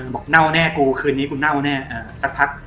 เน่าแน่กูคืนนี้กูเน่าแน่สักพัก